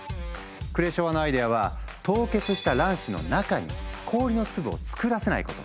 クレショワのアイデアは凍結した卵子の中に氷の粒を作らせないこと。